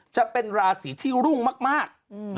จะเป็นราศีที่รุ่งมาก